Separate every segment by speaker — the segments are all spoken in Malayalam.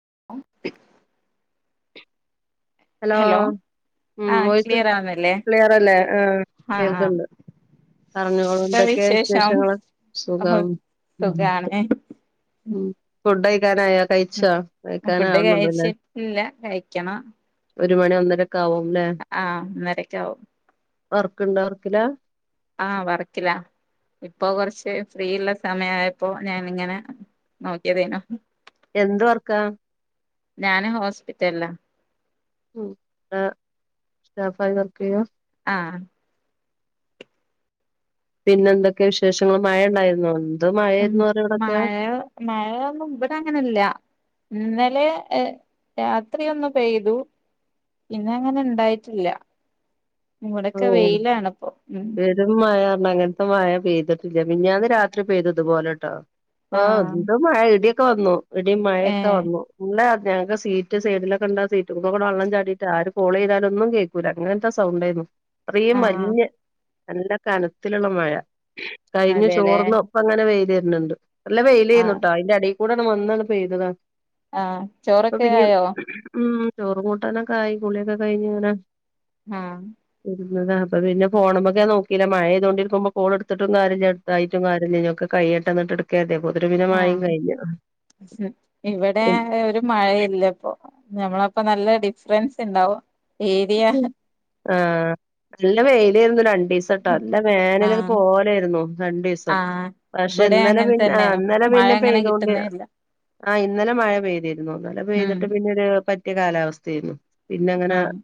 Speaker 1: [unintelligible]
Speaker 2: ഹലോ ഉം
Speaker 1: ആഹ്
Speaker 2: വോയിസ്‌
Speaker 1: ക്ലിയർ ആവുന്നില്ലേ
Speaker 2: ക്ലിയറല്ലേ ആ
Speaker 1: ആഹ് ആഹ്
Speaker 2: കേൾക്കണ്ട്
Speaker 1: എന്താ
Speaker 2: പറഞ്ഞോളന്തൊക്കെ
Speaker 1: വിശേഷം
Speaker 2: വിശേഷങ്ങള്
Speaker 1: ഓഹ്
Speaker 2: സുഖം.
Speaker 1: സുഖാണ്
Speaker 2: ഉം കൊണ്ടോയി. [unintelligible]
Speaker 1: ഫുഡ് കഴിച്ചിട്ടില്ല കഴിക്കണം.
Speaker 2: ഒരു മണി ഒന്നര
Speaker 1: ആ ഒന്നരെക്കെ ആവും.
Speaker 2: വർക്കുണ്ടോ വർക്കിലാ?
Speaker 1: ആ വർക്കിലാ ഇപ്പൊ കൊറച്ച് ഫ്രീ ഉള്ള സമയായപ്പോ ഞാനിങ്ങനെ നോക്കിയതേനു.
Speaker 2: എന്ത് വർക്കാ?
Speaker 1: ഞാന് ഹോസ്പിറ്റലിലാ.
Speaker 2: അ സ്റ്റാഫായി വർക്ക് ചെയ്യ്വാ?
Speaker 1: ആ
Speaker 2: പിന്നെന്തൊക്കെ വിശേഷങ്ങള് മയ ഒണ്ടായിരുന്നോ?
Speaker 1: ഉം മഴ മഴ ന്നും ബടെ അങ്ങനില്ല ഇന്ന ലെ രാത്രി ഒന്നു പെയ്തു പിന്നെ അങ്ങനെ ഇണ്ടായിട്ടില്ല.
Speaker 2: ഓ
Speaker 1: ഇവിടൊക്കെ വെയിലാണിപ്പോ ഉം
Speaker 2: പെരും മഴ ർഞ്ഞാ അങ്ങനത്തെ മഴ പെയ്ത മിഞ്ഞാന്ന് രാത്രി പെയ്തിത്പോലെ ട്ടോ. ആ
Speaker 1: ആഹ്
Speaker 2: ന്ത് മഴ ഇടി [unintelligible] ഇടീം മഴയൊക്കെ
Speaker 1: ഏഹ്
Speaker 2: വന്നു ങ്ങളെ ഞങ്ങൾക്ക് സീറ്റ് സൈഡിലൊക്കെ ഉണ്ടാ സീറ്റുമ്മെക്കൂടെ വെള്ളം ചാടീട്ട് ആര് കോള് ചെയ്താലൊന്നും കേക്കൂല അങ്ങനത്തെ സൗണ്ടാരുന്നു.
Speaker 1: ആഹ്
Speaker 2: [unintelligible] നല്ല കനത്തിലുള്ള മഴ. കഴിഞ്ഞു
Speaker 1: അതെല്ലേ
Speaker 2: ചോറിന്ന ഒപ്പ അങ്ങനെ വെയ് ന്ണ്ട് നല്ല വെയിലന്നുട്ടോ അയിന്റെ എടെ കൂടാണ് വന്നാണ് പെയ്തതാ
Speaker 1: ആ ചോറൊക്കെ ആയോ.
Speaker 2: ചോറ് കൂട്ടനൊക്ക ആയി കുളിയൊക്കെ കഴിഞ് ഇങ്ങനെ
Speaker 1: ആ
Speaker 2: ഇരുന്നതാ അപ്പൊ പിന്നെ ഫോണെമെകെ ഞൻ നോക്കീല്ല. മഴയ്ത കൊണ്ടിരിക്കുമ്പോ കോൾ എടുത്തിട്ടും കാര്യല്ലായിട്ട കാര്യല്ലല്ലോ ഓക്കേ കയ്യട്ടെ എന്നിട്ടേ ഇടുക [unintelligible]
Speaker 1: ആ ഇവിടെ ഒരു മഴയില്ലപ്പോ ഞമ്മളപ്പ നല്ല ഡിഫറൻസ് ഉണ്ടാവും.
Speaker 2: ആ നല്ല വെ യില്ലായിരുന്നു രണ്ട് സട്ടോ അല്ല വേനലൊക്കെ
Speaker 1: ആഹ്
Speaker 2: പോലായിരുന്നു രണ്ടു ദിവസം.
Speaker 1: ആഹ്
Speaker 2: പക്ഷെ
Speaker 1: ഇവിടെ
Speaker 2: ഇന്നലെ
Speaker 1: അങ്ങനെ
Speaker 2: പിന്നെ
Speaker 1: തന്നെയാണ്
Speaker 2: ഇന്നലെ
Speaker 1: മഴ
Speaker 2: പിന്നെ
Speaker 1: അങ്ങനെ
Speaker 2: പെയ്തൊണ്ട്
Speaker 1: കിട്ടുന്നേ ഇല്ല
Speaker 2: ആ ഇന്നലെ മഴ പെയ്തിരുന്നു ഇന്നലെ
Speaker 1: ഉം
Speaker 2: പെയ്തിട്ട് പിന്നെ ഒരു പ റ്റി കാലാവസ്ഥയരുന്നു പിന്ന അങ്ങനെ
Speaker 1: ആഹ്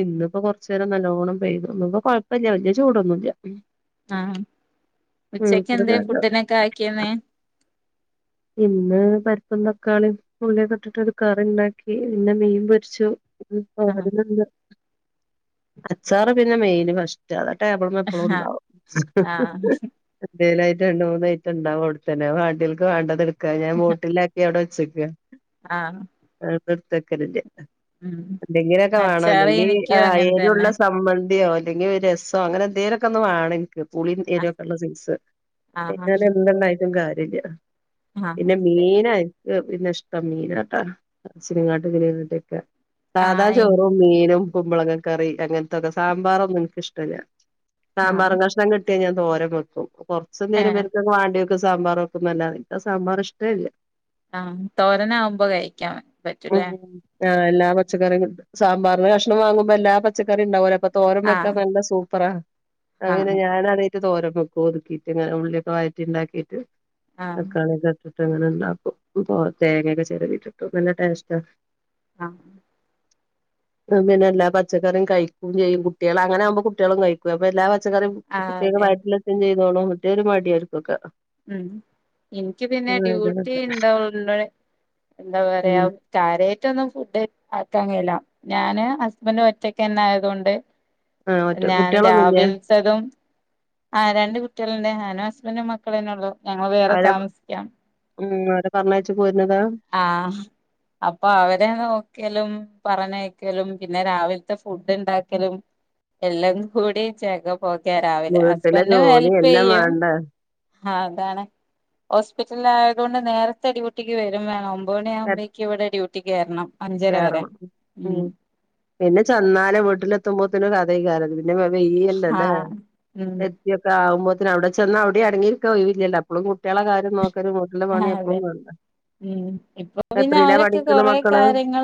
Speaker 2: ഇന്നിപ്പോ കൊറച്ചു നേരം നല്ലോണം പെയ്തു. ഇന്നിപ്പൊ കൊഴപ്പില്ല വല്യ ചൂടൊന്നുല്ല.
Speaker 1: ആഹ് ഉച്ചക്ക്
Speaker 2: അങ്ങനത്തൊരു
Speaker 1: എന്തെ
Speaker 2: കാലം
Speaker 1: ഫുഡിനൊക്കെ ആക്കിയെന്നെ.
Speaker 2: ഇന്ന് പരിപ്പും തക്കാളിയും പുളിയൊക്കെ ഇട്ടിട്ട് ഒരു കറി ണ്ടാക്കി പിന്നെ മീൻ പൊരിച്ചു. ഉം
Speaker 1: ആഹ്
Speaker 2: [unintelligible] അച്ചാറ് പിന്നെ മെയ്ന് ഫസ്റ്റ ടേബിൾമെ എപ്പളും
Speaker 1: ആഹ്
Speaker 2: ണ്ടാവും.
Speaker 1: ആഹ്
Speaker 2: [unintelligible] നായിട്ട് രണ്ട് മൂന്നയ്റ്റം ഉണ്ടാവും അവിത്തന്നെ അത് വാണ്ടിയോൽക്ക് വാണ്ട ക്കാ. ഞാൻ ബോട്ടിലിലാക്കി അവിടെ വെക് ച്ചക്ക്
Speaker 1: ആ
Speaker 2: ട്ത്തക്കലില്യ. എന്തെങ്കിലൊക്കെ വേണം
Speaker 1: അച്ചാറ്
Speaker 2: അല്ലെങ്കിൽ
Speaker 1: എനിക്കും
Speaker 2: ഏഹ്
Speaker 1: അങ്ങനെ തന്നെ
Speaker 2: എരുള്ള സമ്മൻ യോ അല്ലെങ്കിൽ ഒരു രസോ അങ്ങനെ എന്തെങ്കിലൊക്കെ ഒന്ന് വാണം ഇൻക്ക്. പുളിം എരും
Speaker 1: ആഹ്
Speaker 2: ഒക്കെ ഉള്ള സൈസ്.
Speaker 1: ആഹ്
Speaker 2: ഞാനെന്ത് ണ്ടാ കാര്യല്യ
Speaker 1: ആഹ്
Speaker 2: പിന്നെ
Speaker 1: അതെ
Speaker 2: മീനയ് ക്ക് പിന്നെ ഇഷ്ട്ടം മീനാട്ടാ ച്ചിരിങ്ങാട്ട് [unintelligible] സാധാ
Speaker 1: ആഹ്
Speaker 2: ചോറും മീനും കുമ്പളങ്ങാ കറി അങ്ങനത്തൊക്കെ സാമ്പാറൊന്നും ഇന്ക്കിഷ്ടല്ല
Speaker 1: ആഹ്
Speaker 2: സാമ്പാറും കഷ്ണം കിട്ടി ട്ടിയാ ഞാൻ തോരം വെക്കും. കുറച്ചു നേരം
Speaker 1: ഏഹ്
Speaker 2: ഇവർക്കൊക്കെ വാണ്ടിയൊ ഇപ്പം സാമ്പാറ് വെക്കുന്നല്ലാറിയും എനിക്ക് സാമ്പാർ ഇഷ്ട്ടെ അല്ല
Speaker 1: ആഹ തോരന ആകുമ്പോ കഴിക്കാൻ
Speaker 2: ഉം
Speaker 1: പറ്റൂലേ
Speaker 2: ആഹ് എല്ലാ പച്ചക്കറിം സാമ്പാറിന് കഷണം വാങ്ങുമ്പോ എല്ലാ പച്ചക്കറിയ ഉണ്ടാവുംലെ അപ്പൊ തോ തോരൻ
Speaker 1: ആഹ്
Speaker 2: വെക്കാൻ നല്ല സൂപ്പറാ അങ്ങനെ
Speaker 1: ആഹ്
Speaker 2: ഞാൻ അതെ കുറച്ചു തോര വെക്കും ഒതുക്കിയിട്ട്ങ്ങനെ ഉള്ളിയൊക്കെ വയറ്റി ഉണ്ടാക്കിയിട്ട്
Speaker 1: ആഹ്
Speaker 2: തക്കാളി ഒക്കെ ഇട്ടിട്ട് അങ്ങനെണ്ടാക്കും തേങ്ങൊക്കെ ചെരകി ഇട്ടിട്ട് നല്ല ടേസ്റ്റ് ആണ്
Speaker 1: ആഹ
Speaker 2: പിന്നെ എല്ലാ പച്ചക്കറിയ കഴിക്കും ചെയ്യും കുട്ടികളും അങ്ങനെ ആവുമ്പോൾ കുട്ടികളും കഴിക്കും അപ്പൊ എല്ലാ പച്ചക്കറീം
Speaker 1: ആഹ്
Speaker 2: കുട്ടികൾക്ക്
Speaker 1: അതെ
Speaker 2: വയറ്റിൽ എത്തും ചെയ്യും എത്തിയ ഒരു മടിയായിരിക്കും ഒക്കെ
Speaker 1: ഉം എനിക്ക് പിന്നെ ഡ്യൂട്ടി ഉണ്ടായൊണ്ട് എന്താ
Speaker 2: ഉം
Speaker 1: പറയാ കാര്യായിട്ട് ഒന്നും ഫുഡ് ഉണ്ടാക്കാൻ കഴിയൂല ഞാനും ഹസ്ബന്ഡും ഒറ്റക്കെ ആയത് കൊണ്ട്
Speaker 2: ആഹ് ഒറ്റ
Speaker 1: ഞാൻ
Speaker 2: കുട്ടികളൊന്നുംല്ലേ
Speaker 1: രാവിലത്തതും ആ രണ്ട് കുട്ടികളുണ്ട് ഞാനും ഹസ്ബൻറും മക്കളന്നെ ഉള്ളോ ഞങ്ങള് വേറെ
Speaker 2: അവരെ
Speaker 1: താമസിക്കാം
Speaker 2: ഉം അവരെ പറഞ്ഞു അയച്ചു
Speaker 1: ആഹ അപ്പൊ അവരെ നോക്കിയാലും പറഞ്ഞക്കലും പിന്നെ രാവിലത്തെ ഫുഡ് ഉണ്ടാക്കലും എല്ലാം കൂടെ ഓക്കെ രാവിലെ
Speaker 2: വീട്ടിലെ
Speaker 1: ഹസ്ബൻഡും
Speaker 2: ജോലി
Speaker 1: ഹെല്പ്
Speaker 2: എല്ലാം
Speaker 1: ചെയ്യും
Speaker 2: വേണ്ടേ
Speaker 1: അതാണ് ഹോസ്പിറ്റല ആയുകൊണ്ട് നേരത്തെ ഡ്യൂട്ടിക്ക് വരും വേണം അവിടെ അമ്മയ്ക്ക് ഇവിടെ്യ ഡ്യൂട്ടിക്ക് കേറണം
Speaker 2: വേറെ ഉ പിന്നെ ചെന്നാല വീട്ടിലെത്തുമ്പോത്തിന് രാത്രിക്കാരം പിന്നെ
Speaker 1: ആ
Speaker 2: വയ്യല്ലല്ലോ
Speaker 1: ഉം
Speaker 2: എത്തിയൊക്കെ ആുവുമ്പോത്തിന് അ അവിടെ ചെന്ന് അവിടെ അടങ്ങിയിയയില്ല അപ്പപ്പോും കുട്ടികള കയം നോക്ക
Speaker 1: ആ അതെ ഉ ഇപ്പൊ പിന്നെ
Speaker 2: എത്രീലാ
Speaker 1: അവരൊക്കെ
Speaker 2: പഠിക്ക്ണ്
Speaker 1: കൊറ
Speaker 2: മക്കള്
Speaker 1: കാര്ങ്ങ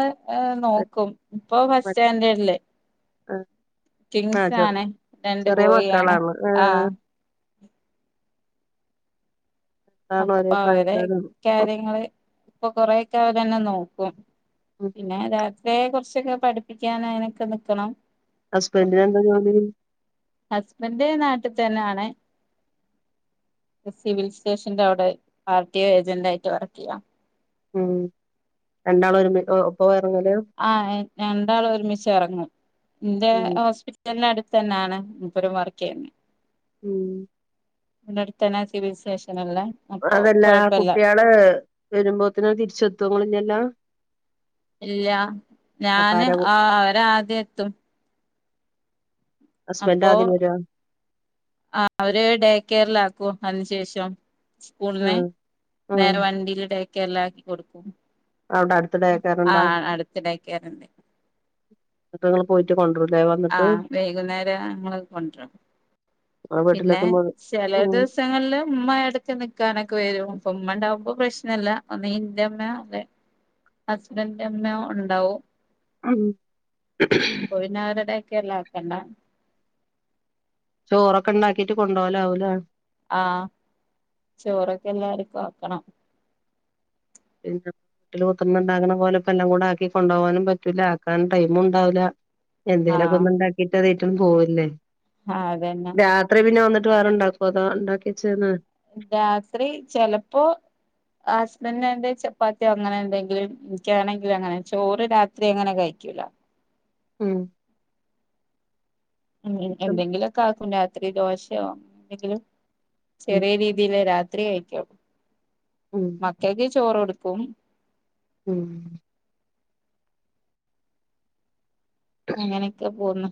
Speaker 1: നോക്കും ഇപ്പൊ ബസ് സ്റ്റാൻഡേഡല്ലേ
Speaker 2: ആഹ
Speaker 1: ട്വിൻസ് ആണ് രണ്ട് ബോയി ആണ്
Speaker 2: മക്കളാണ് ഏഹ്
Speaker 1: ആഹ
Speaker 2: രണ്ടാളും
Speaker 1: അപ്പൊ
Speaker 2: ഒരേ
Speaker 1: അവടെ
Speaker 2: പ്രായക്കാരാണ് ഉം
Speaker 1: കാര്യങ്ങള് ഇപ്പൊ കൊറ ഒക്കെ അവ തന്നെ നോക്കും
Speaker 2: ഉം
Speaker 1: പിന്നെ താ ഇയെ കുറിച്ചൊക്കെ പഠിപ്പിക്കാൻ അതിനനൊക്കെ നൽിക്കണം
Speaker 2: ഹസ്ബൻഡിന എന്താ ജോലി
Speaker 1: ഹസ്ബൻന്റെ നാട്ടിൽ തന്നെ ആാണ് സിവിൽ സ്റ്റേഷറെ അവിടെ പർട്ടി ഏജന്റ ആയിട്ട് വർക്ക് ചെയ്യാം
Speaker 2: ഉം രണ്ടാള ഒരു ഇപ്പൊ
Speaker 1: ആ രണ്ടാൾ ഒരുമിച്ച് ഇറങ്ങും എന്റെ
Speaker 2: ഉം
Speaker 1: ഹോസ്പിറ്റല അടുത്ത് തന്നെയാണ് മുപ്പരമാറക്കെ
Speaker 2: ഉം
Speaker 1: നടുത്തന സ വിശേഷം
Speaker 2: അതല്ലാ കുട്ടികള് വരുമ്പോത്തന തിരിച്ചെത്തുംങ്ങന്നല്ലാം
Speaker 1: ഇല്ല ഞാന്
Speaker 2: അപ്പാരാ
Speaker 1: ആ അവരാ ആദ്യം എത്തും
Speaker 2: ഹസ്ബന്റ്
Speaker 1: അപ്പൊ
Speaker 2: ആദ്യം വരോ
Speaker 1: ആ അവര് ഡേ കേറല അതിന് ശേഷം സ്കൂളിനെ
Speaker 2: ആഹ് ആഹ്
Speaker 1: നേരെ വണ്ടിയിലിടെ ഒക്കെ എല്ലാംാക്കി കൊടുക്കും
Speaker 2: അവിടെ അടുത്തിടെ കേക്കാറുണ്ടാ
Speaker 1: ആഹ് അടുത്ത് ഡേ കെയറുണ്ട്
Speaker 2: മങ്ങൾ പോയിട്ട് കൊണ്ടു
Speaker 1: ആഹ വൈകുന്നേരം ങ്ങൾ കൊണ്ട പിന്നെ
Speaker 2: വീട്ടിലെത്തുമ്പോ
Speaker 1: ചില
Speaker 2: ഉം
Speaker 1: ദിവസങ്ങളില് ഉ് ഇടക്ക് നക്കാനൊക്കെ വരും അപ്പം അമ്മ ഉണ്ടാവുമ്പോ പ്രശ്നല്ല നീന്റെ അമ്മയോ അല്ലെ ഹസ്ബൻഡന്റെ അമ്മയോ ഉണ്ടാവും
Speaker 2: ഉ
Speaker 1: ഒക്കല്ല ആക്കണ്ട
Speaker 2: ചോറൊക്കെ ഉണ്ടാക്കിട്ട് കൊണ്ടപോകലാവൂലേ
Speaker 1: ആഹ ചോറൊക്കെ എല്ലാരും വക്കണം
Speaker 2: പിന്നെ വീട്ടില് കുത്തുമണ്ടകുന്ന പോലെ ഇപ്പ എല്ലാം കൂടെ ആക്കി കൊണ്ടുപോകാനും പറ്റൂില്ല ആക്കാൻ ടൈമ ഉണ്ടാവില്ല എന്തേരൊക്കെ
Speaker 1: ആഹ്
Speaker 2: ഒന്നുണ്ടാക്കിയിട്ട് ഒറ്റും പോവല്ലേ
Speaker 1: ആഹ് അതന്നെ
Speaker 2: രാത്രി പിന്നെ ന്നിട്ട് വേറ ഉണ്ടാക്കുവ അതാ ഉണ്ടാക്കിച്ച ന്ന
Speaker 1: രാത്രി ചെലപ്പോ ഹസ്ബൻറിന്റെ ചപ്പാത്ത്യോ അങ്ങനെ എന്തെങ്കിലും ക്കാണെങ്കിലും അങ്ങനെ ചോറ് രാത്രി അങ്ങനെ കയിക്കൂല
Speaker 2: ഉം
Speaker 1: ഉം എന്തെങ്കിലുക്കെ ആക്കു രാത്രി ദോശയോ എന്തെങ്കിലും
Speaker 2: ഉം
Speaker 1: ചെറിയ രീതീല് രാത്ര
Speaker 2: ഉം
Speaker 1: [unintelligible] [unintelligible] ചോറു കൊടുക്കും.
Speaker 2: ഉം
Speaker 1: അങ്ങനെയൊക്കെ പോന്ന്.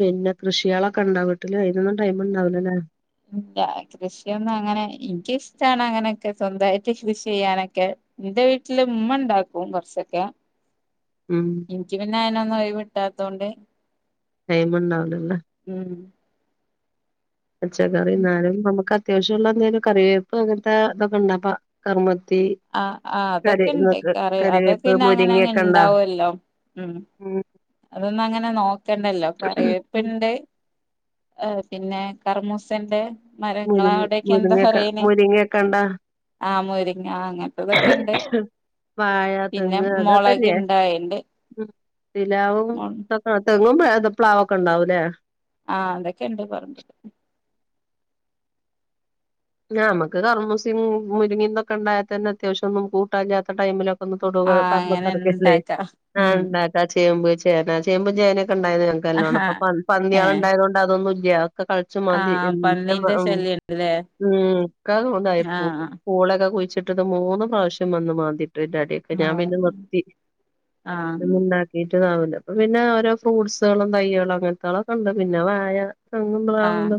Speaker 2: പിന്നെ കൃഷികളൊക്കെ ഉണ്ടാ വീട്ടില് അയിയൊന്നും ടൈം ഉണ്ടാവില്ലല്ലോ.
Speaker 1: ഇല്ല കൃഷിയൊന്നും അങ്ങനെ എനിക്കിഷ്ടാണ് അങ്ങനെയൊക്കെ സ്വന്തയായിട്ട് കൃഷി ചെയ്യാനൊക്കെ എന്റെ വീട്ടിലുമ്മയുണ്ടാക്കും കൊറച്ചൊക്കെ.
Speaker 2: ഉം
Speaker 1: എനിക്ക് പിന്നെ അയിന ഒഴിവു കിട്ടാത്തോണ്ട്.
Speaker 2: ടൈം ഉണ്ടാവുല്ലല്ലേ.
Speaker 1: ഉം
Speaker 2: പച്ചക്കറിയെന്നാലും നമുക്ക്. അത്യാവശ്യമുള്ള എന്തേലും കറിവേപ്പ് അങ്ങനെത്തെ ഇതൊക്കെണ്ടപ്പ കറി
Speaker 1: ആ ആ അതൊക്കെ ഉണ്ട് കറി അതൊക്കെ
Speaker 2: കറിവേപ്പ്
Speaker 1: പിന്നെ അങ്ങനെങ്ങ്
Speaker 2: മുരിങ്ങൊക്കെ ഇണ്ടാ
Speaker 1: ഇണ്ടാവുമല്ലോ ഉം. അതൊന്നു അങ്ങനെ നോക്ക ക്കണ്ടല്ലോ കറിവേപ്പ് ഇണ്ട്. ആ പിന്നെ കർമൂസ ഇണ്ട്.
Speaker 2: മുരിങ്ങ മുരിങ്ങക്ക മുരിങ്ങക്കുണ്ടോ
Speaker 1: ആ മുരിങ്ങ അങ്ങനത്തതൊക്കെ ഉണ്ട്
Speaker 2: വാഴ
Speaker 1: പിന്നെ
Speaker 2: തെങ്ങ്
Speaker 1: മുളക്
Speaker 2: അതൊക്കെല്ലേ.
Speaker 1: ഇണ്ടായിണ്ട്
Speaker 2: [unintelligible] [unintelligible] പ്ലാവൊക്കെ ഉണ്ടാവൂലേ.
Speaker 1: ആഹ് അതൊക്കെ ഇണ്ട് പറമ്പില്.
Speaker 2: നമുക്ക് കർമൂസിം മുരിങ്ങീന്നൊക്കെ ഉണ്ടായാ തന്നെ അത്യാവശ്യയെന്നും കൂട്ടല്ലാത്ത ടൈമിലൊക്കെ.
Speaker 1: ആ അങ്ങനെ ഉണ്ടാക്കാം
Speaker 2: ആഹ്
Speaker 1: ഉം
Speaker 2: ഇണ്ടാക്കാ ചേമ്പ് വെച്ച്. ചേന ചേമ്പ് ചേനെ. ഉണ്ടായത്
Speaker 1: ആഹാ
Speaker 2: നല്ലോണം അപ്പൊ പന്ന
Speaker 1: ഏ
Speaker 2: പന്നികളെ ഉണ്ടായതുകൊണ്ട് അതൊന്നും. [unintelligible] ഒക്കെ കേളച്ച്
Speaker 1: ആ
Speaker 2: മാന്തി.
Speaker 1: പന്നീന്റെ
Speaker 2: [unintelligible]
Speaker 1: ശല്യണ്ട്ല്ലേ
Speaker 2: ഉം ഒക്കെ
Speaker 1: ആ
Speaker 2: ഇതായിപോകും. [unintelligible] ഒക്കെ കുഴിച്ചിട്ടത് മൂന്ന് പ്രാവശ്യം വന്നു മാന്തി. [unintelligible]
Speaker 1: ആ
Speaker 2: ഞാൻ പിന്നെ നിർത്തി
Speaker 1: ആ
Speaker 2: ഉണ്ടാക്കിട്ട്. വലുതാവൂല്ല അപ്പൊ പിന്നെ ഓരോ ഫ്രൂട്ട്സുകളും തൈകളും അങ്ങനത്തുള്ളളൊക്കെ ഉണ്ട് പിന്നെ വാഴ. തെങ്ങും
Speaker 1: ആ
Speaker 2: പ്ലാവുകളും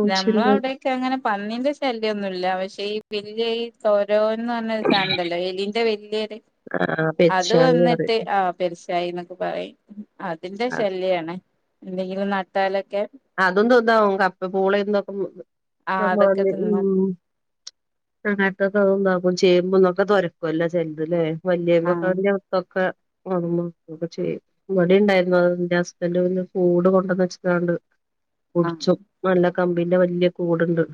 Speaker 2: ഒക്കെയുണ്ട്. [unintelligible]
Speaker 1: ശല്യൊന്നുമില്ല പക്ഷേ ഈ വല്ല്യ ഈ തോ ഓന്ന് പറഞ്ഞ് ഒരു സാധനമുണ്ടല്ലോ എലീന്റെ വലിയൊരു
Speaker 2: ആ
Speaker 1: അത്
Speaker 2: പെരിച്ചാഴി പറയും
Speaker 1: വന്നിട്ട് ആ പെരുച്ചാഴി എന്നൊക്കെ പറയും അതിന്റെ ശല്യാണ് എന്തെങ്കിലും ന പാലൊക്കെ
Speaker 2: അതും തിന്നാവും കപ്പ പൂള എന്തൊക്കെ
Speaker 1: ആ അതൊക്കെ തിന്നും
Speaker 2: [unintelligible] അങ്ങനത്തെയൊക്കെ അതുണ്ടാക്കും ചേമ്പ്ഒക്കെ തുരക്കും അല്ലേ ചെലതല്ലേ വല്ല്യ
Speaker 1: ആ
Speaker 2: [unintelligible] അത് മാന്തുവൊക്കെ ചെയ്യും മടി ഉണ്ടായിരുന്നു അ എന്റെ ഹസ്ബൻഡ് പിന്നെ കൂട് കൊണ്ടെ വച്ചത് കൊണ്ട്
Speaker 1: ആ
Speaker 2: പിടിച്ചു നല്ല കമ്പിന്റെ വല്ല്യ കൂടുണ്ട്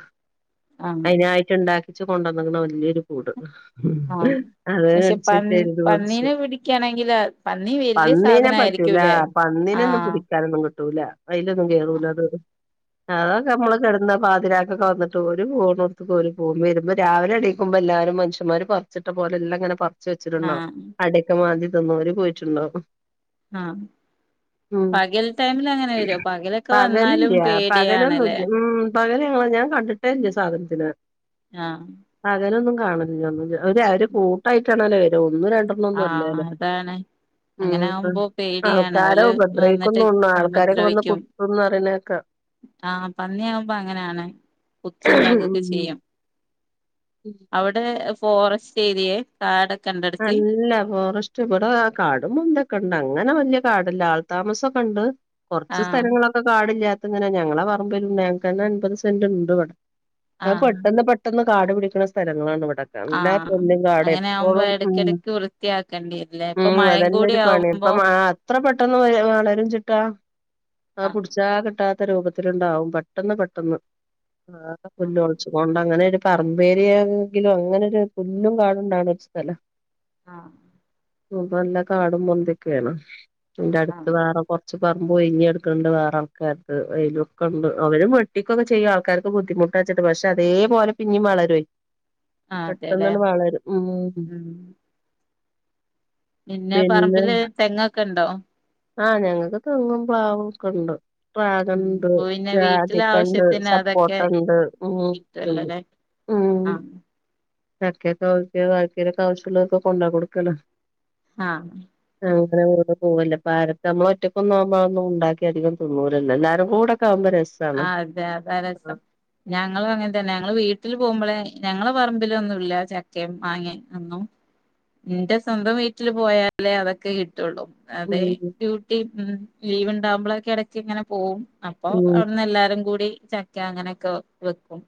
Speaker 1: ആ
Speaker 2: അതിനായിട്ട് ഉണ്ടാക്കി പ്പിച്ച് കൊണ്ടുന്നേക്കണ് വല്യോരു കൂട്
Speaker 1: ആ
Speaker 2: അത്
Speaker 1: പക്ഷെ പ
Speaker 2: കടിച്ചിട്ട് എഴുത് പടിച്ചു
Speaker 1: പന്നീനെ പിടിക്കാണെങ്കില് പന്നി വല്യ
Speaker 2: പന്നീനെ പറ്റൂല
Speaker 1: സാധനായിരിക്കൂല്ലേ ആ
Speaker 2: പന്നിനെയൊന്നും പിടിക്കാനൊന്നും കിട്ടൂല അതിലൊ [unintelligible]
Speaker 1: ആ
Speaker 2: അതൊക്കെ നമ്മള് പാതിരാക്കൊക്കെ വന്നിട്ട് ഒരു ഫോണും എടുത്ത് കേറി പൊന്നെയാരുന്നു ഇന്ന് രാവിലെ എണീക്കുമ്പോ എല്ലാരും മനുഷ്യന്മാര് പറിച്ചിട്ടപോലെ എല്ലാം ഇങ്ങനെ പ ച്ച് വെച്ചിരുന്നോ
Speaker 1: ആഹ്
Speaker 2: അടക്ക മാതിരി അങ്ങ് വരെ പോയിട്ടുണ്ടാവും
Speaker 1: ആ
Speaker 2: ഉം
Speaker 1: പകൽ ടൈമിൽ അങ്ങനെ വരു
Speaker 2: പകലില്ല പകമൊന്നുമില്ല ഉം പകല് ഞാൻ കണ്ടിട്ടേല്ലേ ഈ സാധനത്തിനെ
Speaker 1: ആ
Speaker 2: [unintelligible] ഒരു അവര് കൂട്ടായിട്ടാണല്ലോ വ
Speaker 1: ആ അതാണ് അങ്ങനെ
Speaker 2: ഉം
Speaker 1: ആകുമ്പോ പേടിയാണ്
Speaker 2: ആൾക്കാരെ
Speaker 1: ഓല് വന്നിട്ട്
Speaker 2: ഉപദ്രവിക്കുന്നുണ്ണു ആൾക്കാരൊക്കെ വന്ന്
Speaker 1: ഉദ്രവിക്കും
Speaker 2: കുത്തുംന്ന് പറയണേക്ക
Speaker 1: ആ പന്നിയാവുമ്പോ അങ്ങനെയാണ് കുത്തും ഇതാക്കൊക്കെ ചെയ്യും
Speaker 2: ഉം
Speaker 1: അവിടെ ഫോറസ്റ്റ് ഏരിയെ കാടൊക്കെണ്ട്
Speaker 2: നല്ല ഫോറസ്റ്റ് ഇവിടെ കാടും ഇതൊക്കെ ഉണ്ട് അങ്ങനെ വല്ല്യ ഇപ്പൊ അവിടെല്ലാം ആൾ താമസം ഒക്കെ ഉണ്ട് കുറച്ച്
Speaker 1: ആഹ്
Speaker 2: സ്ഥലങ്ങളൊക്കെ കാടില്ല അതെങ്ങനാ ഞങ്ങളെ പറമ്പിലും ഞങ്ങക്ക്ന്നെ അൻമ്പത് സെന്റ് ഇണ്ട് ഇവിടെ. ആ
Speaker 1: ആഹ്
Speaker 2: പെട്ടെന്ന് പെട്ടെന്ന് കാടു പിടിക്കണ സ്ഥലങ്ങളാണിവിട് [unintelligible] നല്ലേ പുല്ലും കാടേ എപ്പളും
Speaker 1: കിടക്ക് വൃത്തിയാക്കേണ്ടില്ലേ ഇപ്പൊ മഴയും കൂടിയാവുമ്പോ
Speaker 2: എത്ര പെട്ടെന്ന് വളരും ചിട്ടാ ആ
Speaker 1: ആഹ്
Speaker 2: പുടിച്ചാ കിട്ടാ രൂപത്തിലുണ്ടാവും പെട്ടെന്ന് പെട്ടെന്ന് ആകെ
Speaker 1: ആഹ്
Speaker 2: പുല്ല്മൊളിച്ചു കൊണ്ടങ്ങനെ പറമ്പേരെങ്കിലും അങ്ങനൊരു പുല്ലും കാടുംണ്ടാണ് ഒരു സ്ഥലം
Speaker 1: ങാ
Speaker 2: അപ്പ നല്ല കാടും മൊന്ന്തെക്കേണ് ൻറ അടുത്ത്
Speaker 1: ആഹ്
Speaker 2: വേറെ കുറച്ച് പറ മൊഇഞ്ഞ് കെടുക്കുന്നുണ്ട് വേറെ ആൾക്കാർക്ക് അയല്വക്കണ്ട് അവരും വെട്ടിക്കൊക്കെ ചെയ്യും ആൾക്കാർക്ക് ബുദ്ധിമുട്ടാച്ചിട്ട് പക്ഷെ അതേപോലെ പിന്നേം വളരും
Speaker 1: ആഹ് അതെല്ലേ
Speaker 2: പെട്ടെന്നാണ് വളരും ഉം
Speaker 1: പിന്നെ പറമ്പില് തെങ്ങക്കെ ഒക്കെ ഇണ്ടോ?
Speaker 2: ആ ഞങ്ങൾക്ക് തെങ്ങും പ്ലാവും ഒക്കെ ഉണ്ട്
Speaker 1: ഉം
Speaker 2: പാഗണ്ട്
Speaker 1: അപ്പൊ പിന്നെ വീട്ടിലെ
Speaker 2: രാതിക്കണ്ട്
Speaker 1: ആവശ്യത്തിന് അതൊക്കെ
Speaker 2: സപ്പോർട്ട്ണ്ട് ഉ
Speaker 1: കിട്ടുവല്ലോല്ലേ
Speaker 2: ഉം
Speaker 1: ആഹ്
Speaker 2: ചക്കേക്ക വക്കക്ക [unintelligible] ആവശ്യമുള്ളൊർക്കെ കൊണ്ടോ കൊടുക്കലാ
Speaker 1: ആഹ്
Speaker 2: അങ്ങനെ അങ്ങേട്ടേപോവല്ല കാലത്ത് നമ്മൾ ഒറ്റക്കൊന്നും ആവുമ്പോ അതൊന്നും ഉണ്ടാക്കി അധികം തിന്നൂലല്ലോ എല്ലാരും കൂടെ ഒക്കെ ആവുമ്പോ രസ്
Speaker 1: ആ അതെ അതാ രസം ഞങ്ങൾ അങ്ങനത്ത നെഞങ്ങള് വീട്ടിൽ പോകുമ്പോളെ ഞങ്ങളുടെ പറമ്പിൽ ഒന്നുമില്ല ചക്കയും മാങ്ങയും ഒന്നും ൻ്റെ സ്വന്തം വീട്ടിൽ പോയാൽ അതൊക്കെ കിട്ടും അതെ
Speaker 2: ഉം
Speaker 1: ഡ്യൂട്ടി ഉം ലീവ് ഇണ്ടാവുമ്പളെക്കെ എടയ്ക്ക് ഇങ്ങനെ പോവും അപ്പോ
Speaker 2: ഉം
Speaker 1: ഒടനെ എല്ലാരുംകൂടി ചക്ക അങ്ങനെയൊക്കെ വെ വെക്കും.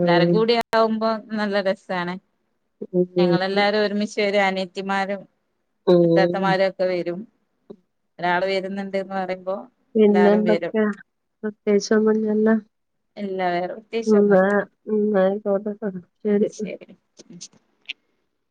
Speaker 1: എല്ലാരും കൂടിയാവുമ്പോൾ നല്ല രസമാണേ
Speaker 2: ഉം
Speaker 1: ഞങ്ങളെല്ലാവരും ഒരുമിച്ച് ഒരാനെ ത്തിമാരും
Speaker 2: ഉം
Speaker 1: അത്താത്തമാരൊക്കെ വരും ഒരാള് വ വരുന്നുണ്ടെന്ന് പ
Speaker 2: പിന്നെന്തൊക്കെയാ പ്രത്യേകിച്ച് ഒന്നും ഇല്ലല്ലോ
Speaker 1: ഇല്ല വേറെ
Speaker 2: ഇന്നാ
Speaker 1: പ്രത്യേകിച്ചൊന്നുല്ല
Speaker 2: ഇന്നാ ആയിക്കോട്ടട്ടോ ശരി
Speaker 1: ഉ